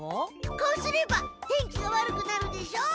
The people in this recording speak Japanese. こうすれば天気が悪くなるでしょ？